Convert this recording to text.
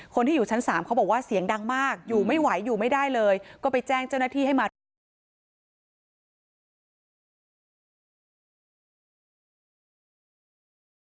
คนที่อยู่ชั้น๓เขาบอกว่าเสียงดังมากอยู่ไม่ไหวอยู่ไม่ได้เลยก็ไปแจ้งเจ้าหน้าที่ให้มาตรวจสอบ